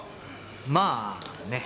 まあね。